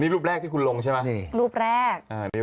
นี่รูปแรกที่คุณลงใช่ไหม